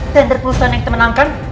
tender perusahaan yang kita menangkan